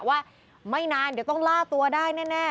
ว่าไม่นานเดี๋ยวต้องล่าตัวได้แน่